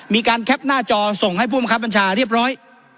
มีการแคปหน้าจอส่งให้ภูมิภาคประชาเรียบร้อย